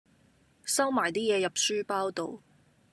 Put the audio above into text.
收埋啲嘢入書包度